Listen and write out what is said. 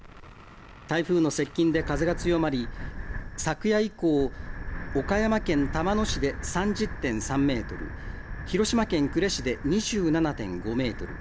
台風の接近で風が強まり、昨夜以降、岡山県玉野市で３０．３メートル、広島県呉市で２７．５メートル。